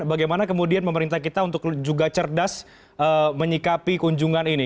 bagaimana kemudian pemerintah kita untuk juga cerdas menyikapi kunjungan ini